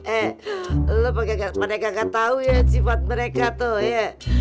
eh lo pada nggak tahu ya sifat mereka tuh